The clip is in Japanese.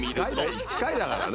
「１回だからね」